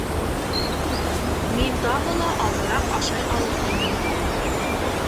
Мин тағы ла аҙыраҡ ашай алыр инем